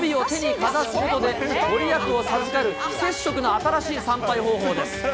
光の帯を手にかざすことで、御利益を授かる、非接触の新しい参拝方法です。